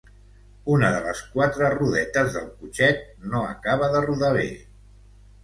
“Una de les quatre rodetes del cotxet no acaba de rodar bé.